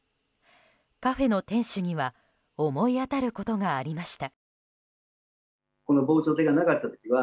カフェの店主には思い当たることがありました。